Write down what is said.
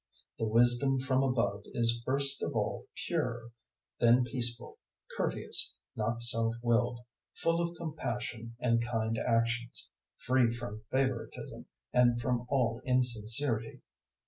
003:017 The wisdom from above is first of all pure, then peaceful, courteous, not self willed, full of compassion and kind actions, free from favouritism and from all insincerity.